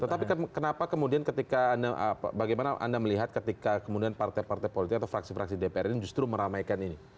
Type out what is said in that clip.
tetapi kenapa kemudian ketika bagaimana anda melihat ketika kemudian partai partai politik atau fraksi fraksi dpr ini justru meramaikan ini